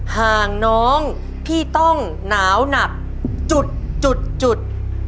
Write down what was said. ห่างน้องพี่ต้องหนาวหนักจุดจุด